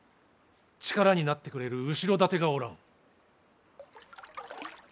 力になってくれる後ろ盾がおらん。